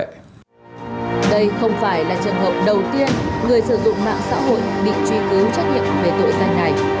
đây không phải là trận hậu đầu tiên người sử dụng mạng xã hội bị truy cứu trách nhiệm về tội doanh này